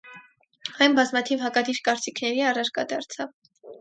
Այն բազմաթիվ հակադիր կարծիքների առարկա դարձավ։